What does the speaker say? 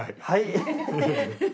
はい。